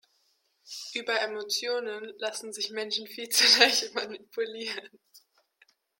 Über Emotionen lassen sich Menschen viel zu leicht manipulieren.